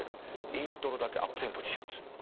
イントロだけアップテンポにしちゃうんですよ。